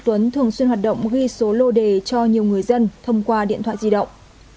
tuấn thường xuyên hoạt động ghi số lô đề cho nhiều người dân thông qua điện thoại di động